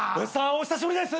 お久しぶりです！